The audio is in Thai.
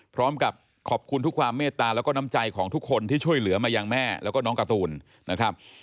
พร้อมกับขอบคุณทุกความเมตตาแล้วก็น้ำใจของทุกคนที่ช่วยเหลือมายังแม่แล้วก็น้องการ์ตูนนะครับ